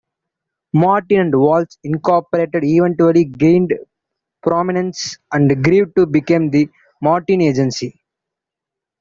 Martin and Woltz Incorporated eventually gained prominence and grew to become The Martin Agency.